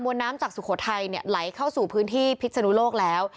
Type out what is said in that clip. น้ำจากสุโขทัยเนี่ยไหลเข้าสู่พื้นที่พิษนุโลกแล้ว